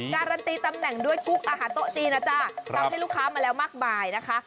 การันตีตำแหน่งด้วยกุ๊กอาหารโต๊ะจีนนะจ๊ะทำให้ลูกค้ามาแล้วมากมายนะคะ